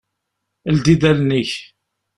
Ldi-d allen-ik.